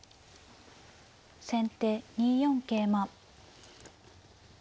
先手２四桂馬。